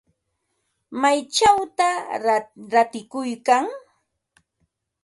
¿Maychawta ratikuykan?